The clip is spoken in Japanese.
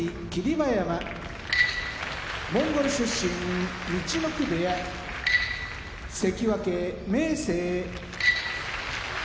馬山モンゴル出身陸奥部屋関脇・明生鹿児島県出身